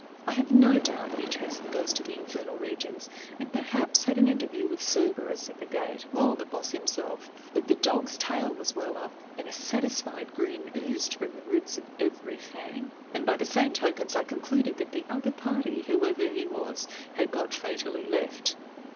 I have no doubt that he chased the ghost to the infernal regions and perhaps had an interview with Cerberus at the gate, or the boss himself; but the dog's tail was well up and a satisfied grin oozed from the roots of every fang, and by the same tokens I concluded that the other party, whoever he was, had got fatally left.